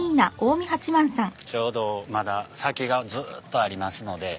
ちょうどまだ先がずっとありますので。